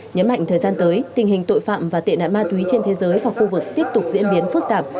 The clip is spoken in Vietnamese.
nhấn mạnh thời gian tới tình hình tội phạm và tệ nạn ma túy trên thế giới và khu vực tiếp tục diễn biến phức tạp